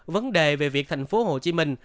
vấn đề về việc thành phố hồ chí minh